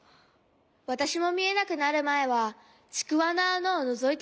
わたしもみえなくなるまえはちくわのあなをのぞいてるかんじだった。